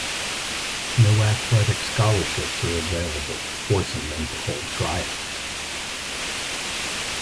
No athletic scholarships are available, forcing them to hold tryouts.